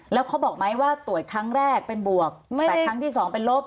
แล้วเขาบอกไหมว่าตรวจครั้งแรกเป็นบวกแต่ครั้งที่สองเป็นลบ